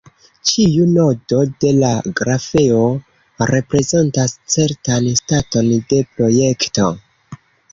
Ĉiu nodo de la grafeo reprezentas certan staton de projekto.